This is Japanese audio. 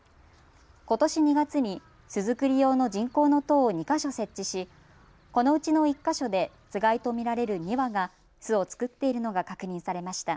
ことし２月に巣作り用の人工の塔を２か所設置し、このうちの１か所でつがいと見られる２羽が巣を作っているのが確認されました。